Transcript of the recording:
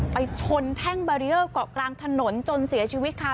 ไปชนแท่งบารีเออร์เกาะกลางถนนจนเสียชีวิตค่ะ